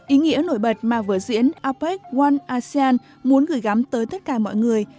ý nghĩa nổi bật mà vợ diễn apec one asean muốn gửi gắm tới tất cả mọi người